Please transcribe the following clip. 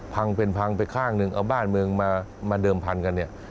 พังเป็นพังไปข้างหนึ่งเอาบ้านเมืองมาเดิมพันกันเนี่ย